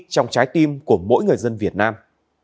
trong trái tim của mỗi người dân việt nam